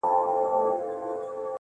کليوال خلک د موضوع په اړه ډيري خبري کوي,